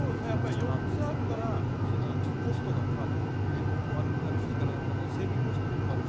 ４つあるからコストがかかる燃費も悪くなるし整備コストもかかるし。